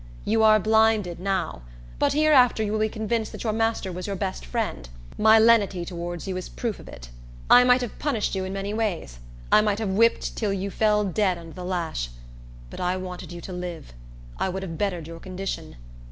You are blinded now; but hereafter you will be convinced that your master was your best friend. My lenity towards you is a proof of it. I might have punished you in many ways. I might have whipped till you fell dead under the lash. But I wanted you to live; I would have bettered your condition.